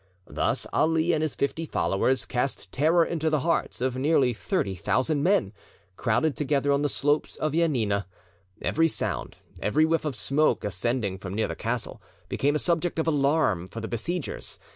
Thus Ali and his fifty followers cast terror into the hearts of nearly thirty thousand men, crowded together on the slopes of Janina. Every sound, every whiff of smoke, ascending from near the castle, became a subject of alarm for the besiegers.